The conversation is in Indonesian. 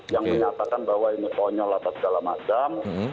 yang menyatakan bahwa ini konyol atau segala macam